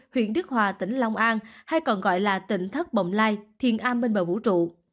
huyện đức hòa tỉnh long an hay còn gọi là tỉnh thất bộng lai thiên an bên bờ vũ trụ